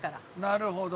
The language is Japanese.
なるほど。